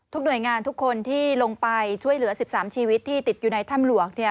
หน่วยงานทุกคนที่ลงไปช่วยเหลือ๑๓ชีวิตที่ติดอยู่ในถ้ำหลวง